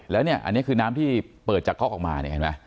แล้วอันนี้คือน้ำที่เปิดจากก๊อกออกมา